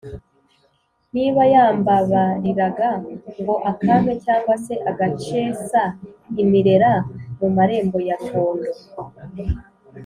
Niba yambabariraga ngo akampe cyangwa se agaceesa imirera mu marembo ya Ruhondo